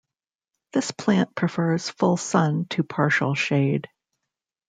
This plant prefers full sun to partial shade.